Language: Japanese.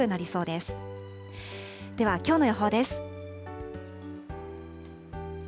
では、きょうの予報です。